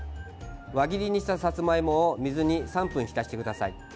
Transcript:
輪切りにしたさつまいもを水に３分浸してください。